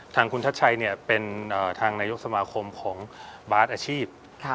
ทางคุณชัดชัยเป็นทางนายกสมาคมของบาสอาชีพ